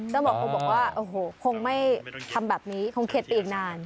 เจ้าหมอคงบอกว่าโอ้โหคงไม่ทำแบบนี้คงเข็ดไปอีกนาน